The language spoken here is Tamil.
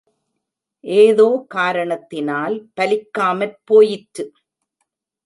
ஏதோ காரணத்தினால் பலிக்காமற் போயிற்று.